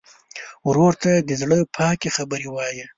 ورور ته د زړه پاکې خبرې وایې.